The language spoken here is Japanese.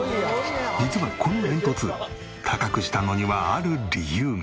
実はこの煙突高くしたのにはある理由が。